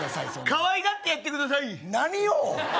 かわいがってやってください何を？